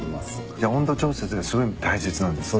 じゃあ温度調節がすごい大切なんですね。